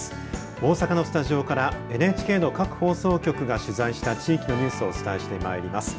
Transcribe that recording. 大阪のスタジオからＮＨＫの各放送局が取材した地域のニュースをお伝えしてまいります。